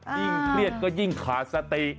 ยิ่งเครียดก็ยิ่งขาดสติ